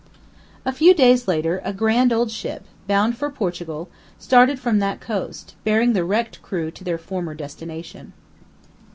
A few days later a grand old ship, bound for Portugal, started from that coast, bearing the wrecked crew to their former destination.